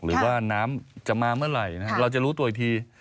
หรือว่าน้ำจะมาเมื่อไหร่นะครับเราจะรู้ตัวอีกที